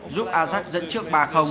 giúp ajax dẫn trước ba